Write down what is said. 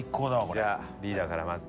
じゃあリーダーからまず。